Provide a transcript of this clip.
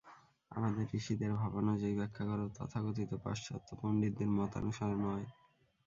আমাদের ঋষিদের ভাবানুযায়ী ব্যাখ্যা কর, তথাকথিত পাশ্চাত্য পণ্ডিতদের মতানুসারে নয়।